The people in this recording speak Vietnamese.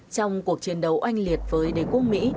trong cuộc chiến đấu oanh liệt với đế quốc mỹ